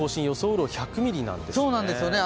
雨量１００ミリなんですね。